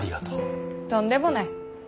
とんでもない。